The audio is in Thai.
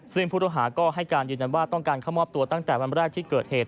ซึ่งผู้ต้องหาก็ให้การยืนยันว่าต้องการเข้ามอบตัวตั้งแต่วันแรกที่เกิดเหตุ